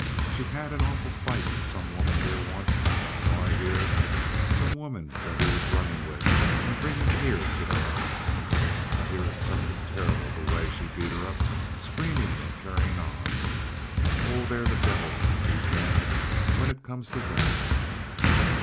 She had an awful fight with some woman here onct, so I hear, some woman that he was runnin' with and bringin' here to the house. I hear it's somethin' terrible the way she beat her up—screamin' and carryin' on. Oh, they're the divil, these men, when it comes to the wimmin."